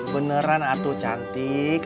beneran atuh cantik